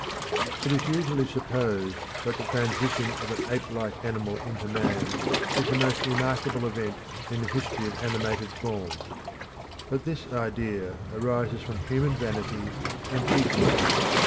It is usually supposed that the transition of an ape like animal into man is the most remarkable event in the history of animated forms. But this idea arises from human vanity and ignorance.